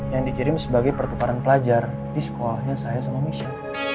yang dikirim sebagai pertukaran pelajar di sekolahnya saya sama michel